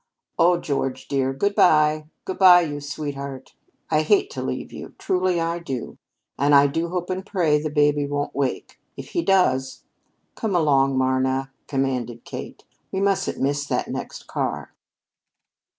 Oh, George, dear, good bye! Good bye, you sweetheart. I hate to leave you, truly I do. And I do hope and pray the baby won't wake. If he does " "Come along, Marna," commanded Kate. "We mustn't miss that next car."